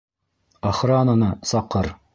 Охрананы саҡыр!